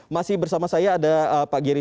masih bersama saya ada pak geri